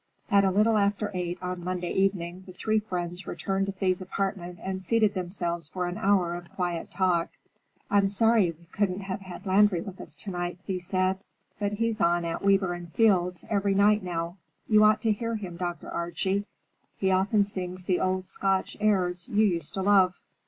At a little after eight on Monday evening, the three friends returned to Thea's apartment and seated themselves for an hour of quiet talk. "I'm sorry we couldn't have had Landry with us tonight," Thea said, "but he's on at Weber and Fields' every night now. You ought to hear him, Dr. Archie. He often sings the old Scotch airs you used to love."